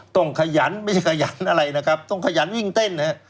ขยันไม่ใช่ขยันอะไรนะครับต้องขยันวิ่งเต้นนะครับ